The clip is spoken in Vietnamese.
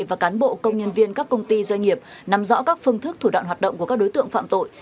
và cán bộ công nhân viên các công ty doanh nghiệp nằm rõ các phương thức thủ đoạn hoạt động của các đối tượng phạm tội